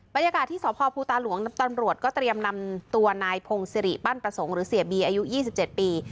บรรยากาศที่สพภูตาหลวงตำรวจก็เตรียมนำตัวนายพงศิริปั้นประสงค์หรือเสียบีอายุ๒๗ปี